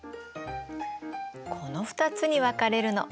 この２つに分かれるの。